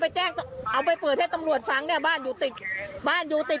แจ้งเอาไปเปิดให้ตำรวจฟังเนี่ยบ้านอยู่ติดบ้านอยู่ติด